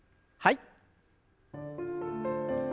はい。